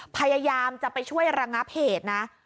พยายามจะไปช่วยระงับเหตุนะ